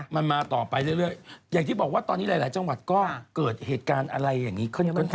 มันมาต่อไปเรื่อยอย่างที่บอกว่าตอนนี้หลายจังหวัดก็เกิดเหตุการณ์อะไรอย่างนี้ค่อนข้าง